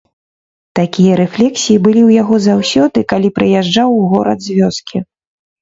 Такія рэфлексіі былі ў яго заўсёды, калі прыязджаў у горад з вёскі.